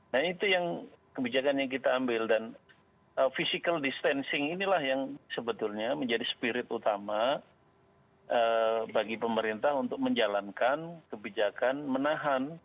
nah itu yang kebijakan yang kita ambil dan physical distancing inilah yang sebetulnya menjadi spirit utama bagi pemerintah untuk menjalankan kebijakan menahan